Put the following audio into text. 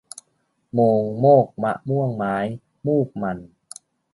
โมงโมกมะม่วงไม้ มูกมัน